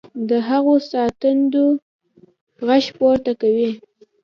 د هغو ساندو غږ پورته کوي.